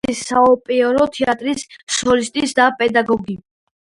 თბილისის საოპერო თეატრის სოლისტი და პედაგოგი.